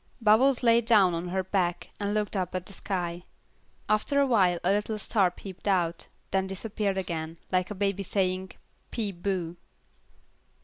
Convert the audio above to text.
Bubbles lay down on her back, and looked up at the sky. After a while a little star peeped out, then disappeared again, like a baby playing "Peep bo."